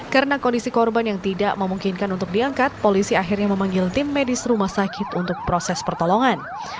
karena kondisi korban yang tidak memungkinkan untuk diangkat polisi akhirnya memanggil tim medis rumah sakit untuk proses pertolongan